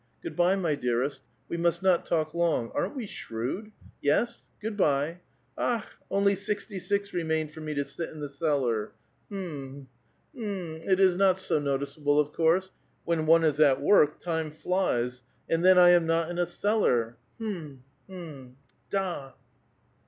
Gocxj by, my doarest/ we must not talk long; aren't we shrewd i VC8 ? Ciood bv. Mh ! only sixty six remain for me to ail in the cellar. — Ilm I hm I it is not so noticeable, of course : when one is at work, time flies. And then I am not in s cellar. Um ! hm ! da